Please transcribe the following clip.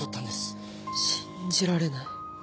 信じられない。